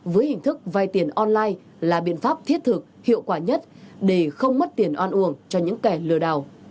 với hình thức vay tiền online là biện pháp thiết thực hiệu quả nhất để không mất tiền oan uổng cho những kẻ lừa đảo